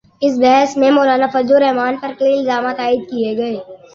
اس بحث میں مولانافضل الرحمن پر کئی الزامات عائد کئے گئے،